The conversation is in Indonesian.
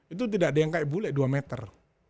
itu tidak ada yang kayak bule dua meter